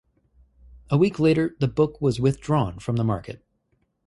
A week later the book was withdrawn from the market.